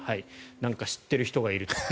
なんか知っている人がいる。